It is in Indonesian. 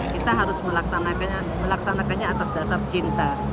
kita harus melaksanakannya atas dasar cinta